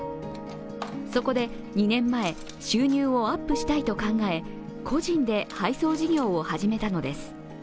そこで２年前、収入をアップしたいと考え、個人で配送事業を始めたのです。